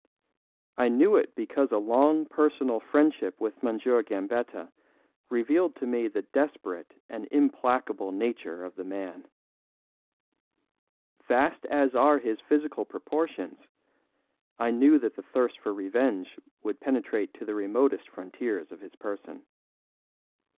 I knew it because a long personal friendship with M. Gambetta revealed to me the desperate and implacable nature of the man. Vast as are his physical proportions, I knew that the thirst for revenge would penetrate to the remotest frontiers of his person.